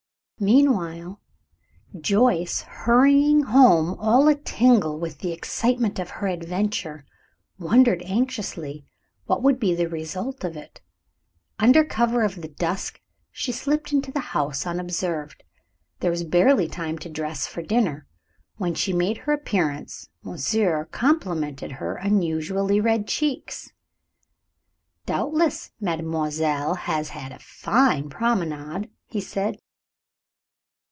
Meanwhile, Joyce, hurrying home all a tingle with the excitement of her adventure, wondered anxiously what would be the result of it. Under cover of the dusk she slipped into the house unobserved. There was barely time to dress for dinner. When she made her appearance monsieur complimented her unusually red cheeks. "Doubtless mademoiselle has had a fine promenade," he said.